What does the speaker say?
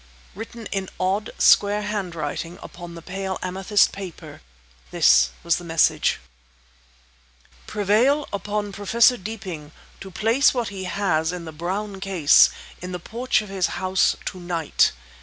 Written in odd, square handwriting upon the pale amethyst paper, this was the message— Prevail upon Professor Deeping to place what he has in the brown case in the porch of his house to night.